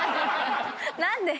何で？